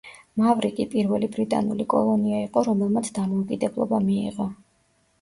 მავრიკი პირველი ბრიტანული კოლონია იყო, რომელმაც დამოუკიდებლობა მიიღო.